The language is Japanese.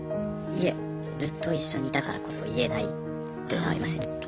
いえずっと一緒にいたからこそ言えないというのはありますよね。